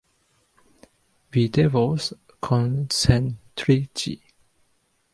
Vi devas koncentriĝi.